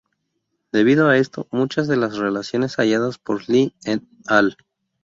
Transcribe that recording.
Debido a esto, muchas de las relaciones halladas por Li "et al.